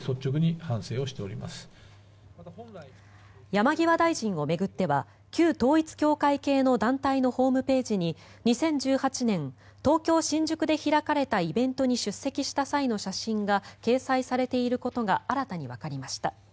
山際大臣を巡っては旧統一教会系の団体のホームページに２０１８年東京・新宿で開かれたイベントに出席した際の写真が掲載されていることが新たにわかりました。